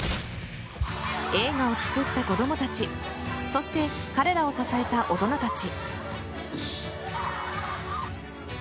映画を作った子供たちそして彼らを支えた大人たち。